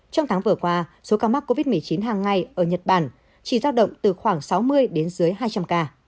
trong tháng vừa qua số ca mắc covid một mươi chín hàng ngày ở nhật bản chỉ giao động từ khoảng sáu mươi đến dưới hai trăm linh ca